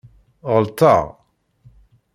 Ɣelṭeɣ?